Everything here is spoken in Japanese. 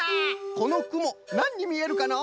このくもなんにみえるかの？